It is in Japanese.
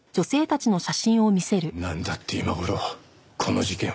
なんだって今頃この事件を。